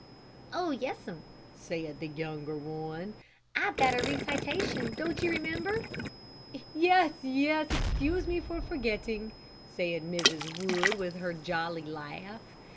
"Oh, yes; ma'am," said the younger one "I've got a recitation, don't you remember?" "Yes, yes; excuse me for forgetting," said Mrs. Wood, with her jolly laugh.